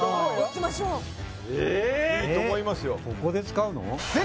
ここで使うの？